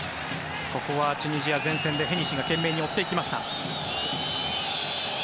ここはチュニジア前線でヘニシが懸命に追っていきました。